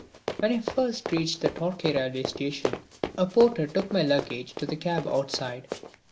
When I first reached the Torquay railway station a porter took my luggage to the cab outside.